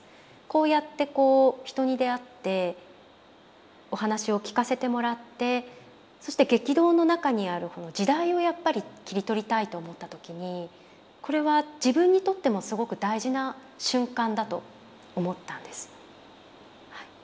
こうやってこう人に出会ってお話を聞かせてもらってそして激動の中にある時代をやっぱり切り取りたいと思った時にこれは自分にとってもすごく大事な瞬間だと思ったんです。